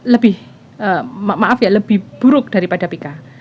lebih maaf ya lebih buruk daripada pika